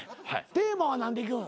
テーマは何でいくん？